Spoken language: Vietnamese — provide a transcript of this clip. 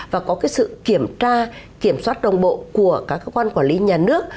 và có sự kiểm tra kiểm soát đồng bộ của các cơ quan quản lý nhà nước